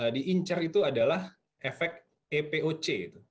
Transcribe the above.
di incer itu adalah efek epoc